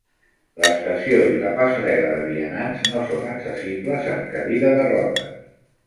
L'estació i la passarel·la de vianants no són accessibles amb cadira de rodes.